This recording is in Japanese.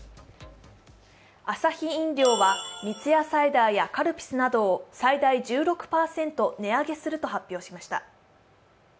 アサヒ飲料は三ツ矢サイダーやカルピスなどを最大１６％値上げすると発表しました。